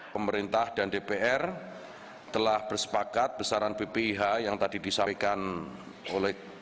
pemerintah dan dpr telah bersepakat besaran bpih yang tadi disampaikan oleh